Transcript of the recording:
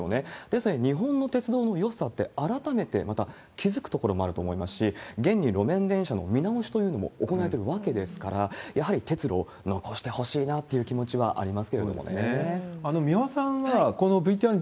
ですので、日本の鉄道のよさって、改めてまた気付くところもあると思いますし、現に路面電車の見直しというのも行われてるわけですから、やはり鉄路を残してほしいなという気持ちはありますけれどもね。